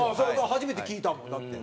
初めて聞いたもんだって。